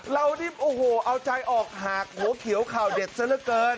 เรานี่โอ้โหเอาใจออกหากหัวเขียวข่าวเด็ดซะละเกิน